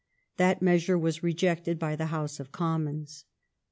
That measure was rejected by the House of Commons.